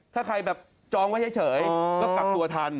ถ้าใครแบบจองไว้เฉยก็กลับตัวทัน